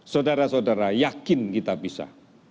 saudara saudara yakin kita bisa